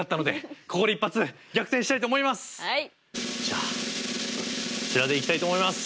じゃあこちらでいきたいと思います。